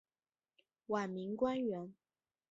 晚明官员。